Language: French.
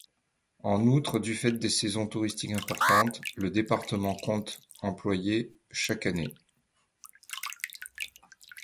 En outre, du fait des saisons touristiques importantes, le département compte employés chaque année.